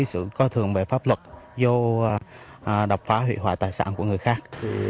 sự có thường bề pháp luật vô đập phá hủy hoại tài sản của người khác